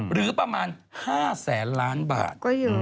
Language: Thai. หรือประมาณ๕แสนล้านบาท